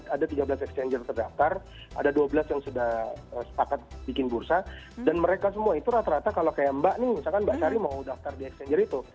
ada tiga belas exchanger terdaftar ada dua belas yang sudah sepakat bikin bursa dan mereka semua itu rata rata kalau kayak mbak nih misalkan mbak sari mau daftar di exchanger itu